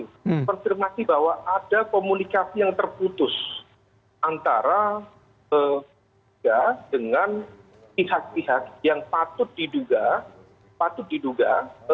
konfirmasi bahwa ada komunikasi yang terputus antara tiga dengan pihak pihak yang patut diduga patut diduga